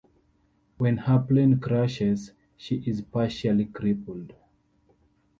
When her plane crashes, she is partially crippled.